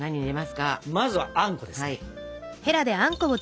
まずはあんこですね。